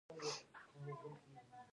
یا سجستان ته ترسره شوی